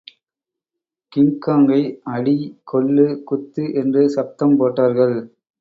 கிங்காங்கை அடி, கொல்லு, குத்து என்று சப்தம் போட்டார்கள்.